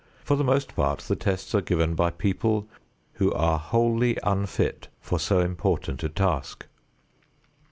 For the most part the tests are given by people who are wholly unfit for so important a task.